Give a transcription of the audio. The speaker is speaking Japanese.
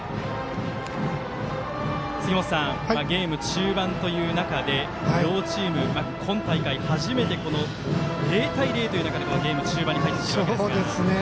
杉本さん、ゲーム中盤という中で両チーム今大会初めて０対０という中でこのゲーム中盤に入っていますが。